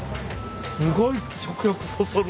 すごい食欲そそる。